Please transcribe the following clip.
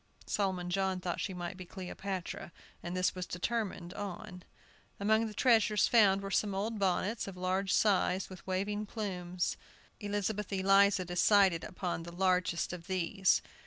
Solomon John thought she might be Cleopatra, and this was determined on. Among the treasures found were some old bonnets, of large size, with waving plumes. Elizabeth Eliza decided upon the largest of these.